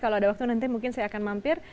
kalau ada waktu nanti mungkin saya akan mampir